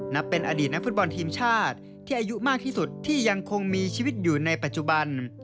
นับเป็นอดีตนักฟุตบอลทีมชาติที่อายุมากที่สุดที่ยังคงมีชีวิตอยู่ในปัจจุบัน